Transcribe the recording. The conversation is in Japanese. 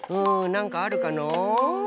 なんかあるかのう？